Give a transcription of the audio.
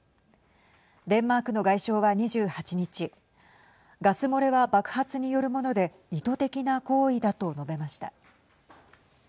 デンマークの外相は２８日ガス漏れは爆発によるもので意図的な行為だと述べました。